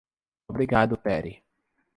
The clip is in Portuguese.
Obrigado Pere.